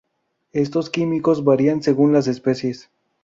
Estos químicos varían según las especies.